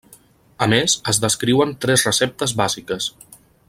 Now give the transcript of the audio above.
A més, es descriuen tres receptes bàsiques.